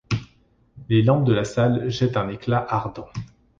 Les lampes de la salle jettent un éclat ardent…